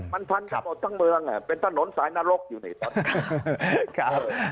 มันพันกันหมดทั้งเมืองเป็นถนนสายนรกอยู่นี่ครับ